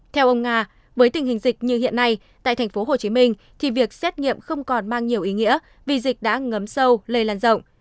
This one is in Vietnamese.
theo ông nga với tình hình dịch như hiện nay tại thành phố hồ chí minh thì việc xét nghiệm không còn mang nhiều ý nghĩa vì dịch đã ngấm sâu lây lan rộng